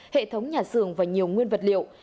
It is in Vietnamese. hệ thống nhà xưởng và nhiều nguyên vật liệu